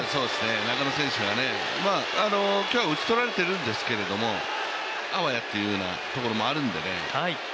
中野選手はね、今日は打ち取られているんですけれどもあわやというようなところもあるんでね。